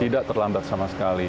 tidak terlambat sama sekali